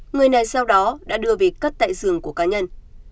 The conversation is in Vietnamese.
người này sau đó đã đưa về cất tại giường của cá nhân